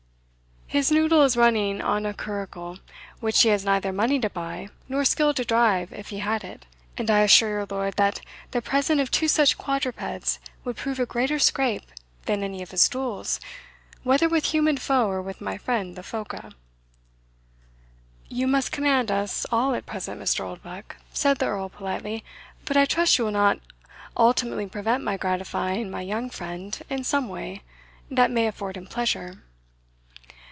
His noddle is running on a curricle, which he has neither money to buy, nor skill to drive if he had it; and I assure your lordship, that the possession of two such quadrupeds would prove a greater scrape than any of his duels, whether with human foe or with my friend the phoca." "You must command us all at present, Mr. Oldbuck," said the Earl politely; "but I trust you will not ultimately prevent my gratifying my young friend in some way that may afford him pleasure."